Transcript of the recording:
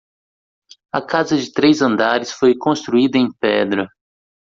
A casa de três andares foi construída em pedra.